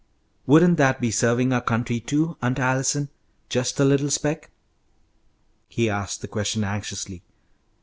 Wouldn't that be serving our country, too, Aunt Allison, just a little speck?" He asked the question anxiously.